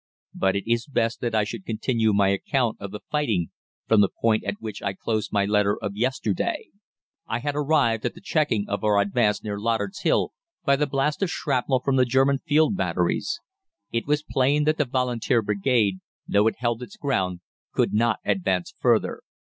But it is best that I should continue my account of the fighting from the point at which I closed my letter of yesterday. I had arrived at the checking of our advance near Loddard's Hill by the blast of shrapnel from the German field batteries. It was plain that the Volunteer Brigade, though it held its ground, could not advance farther.